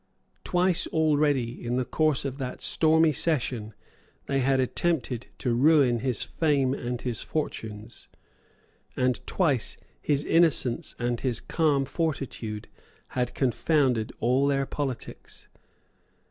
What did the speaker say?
Twice already, in the course of that stormy session, they had attempted to ruin his fame and his fortunes; and twice his innocence and his calm fortitude had confounded all their politics.